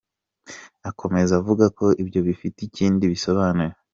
Akomeza avuga ko ibyo bifite ikindi bisobanuye.